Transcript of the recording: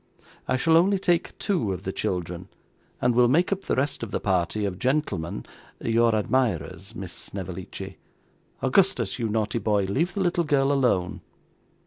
'I shall only take two of the children, and will make up the rest of the party, of gentlemen your admirers, Miss Snevellicci. Augustus, you naughty boy, leave the little girl alone.